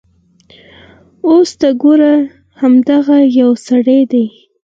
اوس ته ګوره همدغه یو سړی دی.